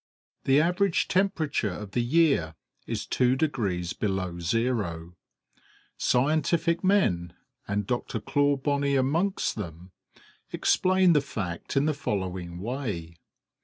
The average temperature of the year is 2 degrees below zero. Scientific men, and Dr. Clawbonny amongst them, explain the fact in the following way.